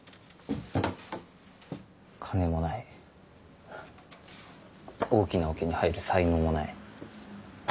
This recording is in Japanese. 金もない大きなオケに入る才能もない。